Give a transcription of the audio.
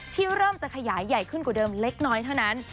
ที่เริ่มจะขยายใหญ่ขึ้นกว่าเดิมเล็กน้อยเท่านั้น